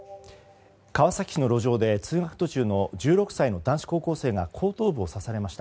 川崎市の路上で通学途中の１６歳の男子高校生が後頭部を刺されました。